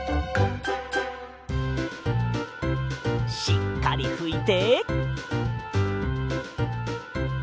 しっかりふいて。